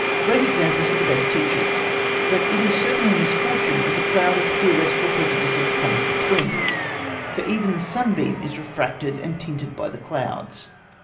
Great examples are the best teachers, but it is certainly a misfortune if a cloud of theoretical prejudices comes between, for even the sunbeam is refracted and tinted by the clouds.